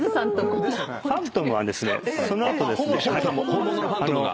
本物のファントムが。